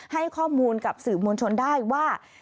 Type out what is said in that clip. ให้ข้อมูลกับสื่อมวลชนได้ว่า